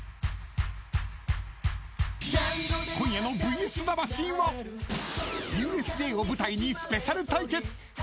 ［今夜の『ＶＳ魂』はＵＳＪを舞台にスペシャル対決］